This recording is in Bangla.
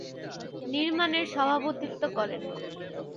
নির্মাণের সভাপতিত্ব করেন।